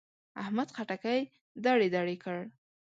احمد خټکی دړې دړې کړ.